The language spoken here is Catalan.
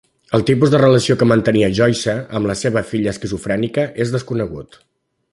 El tipus de relació que mantenia Joyce amb la seva filla esquizofrènica és desconegut.